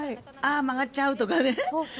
ああ、曲がっちゃうとかね